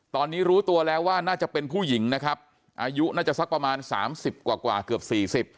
ตอนนี้รู้ตัวแล้วว่าน่าจะเป็นผู้หญิงนะครับอายุน่าจะสักประมาณสามสิบกว่ากว่าเกือบสี่สิบ